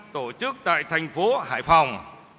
tổ chức tại thành phố hải phòng